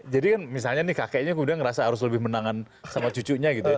jadi kan misalnya nih kakeknya kemudian ngerasa harus lebih menangan sama cucunya gitu ya